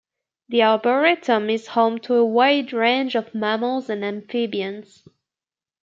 The Arboretum is home to a wide range of mammals and amphibians.